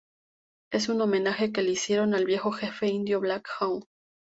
Es un homenaje que le hicieron al viejo jefe indio Black Hawk.